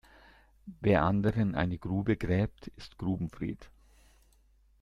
Wer anderen eine Grube gräbt, ist Grubenfred.